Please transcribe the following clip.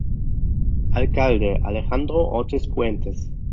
Alcalde: Alejandro Ortiz Puentes